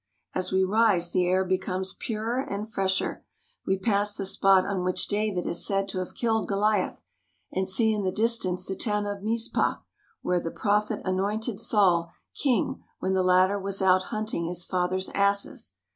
As we rise the air becomes purer and fresher. We pass the spot on which David is said to have killed Goliath, and see in the distance the town of Mizpah, where the Prophet anointed Saul king when the latter was out hunting his father's asses.